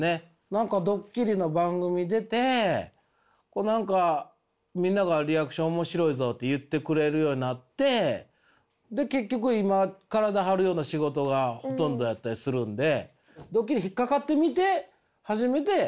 何かドッキリの番組出て何かみんなが「リアクション面白いぞ」って言ってくれるようになってで結局今体張るような仕事がほとんどやったりするんで。